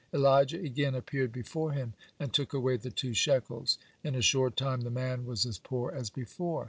Elijah again appeared before him and took away the two shekels. In a short time the man was as poor as before.